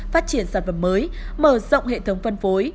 phát triển sản phẩm mới mở rộng hệ thống phân phối